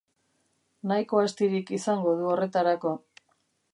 Nahiko astirik izango du horretarako.